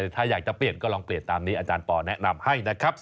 ถ้าอยากจะเปลี่ยนก็ลองเปลี่ยนตามนี้อาจารย์ปอแนะนำให้นะครับ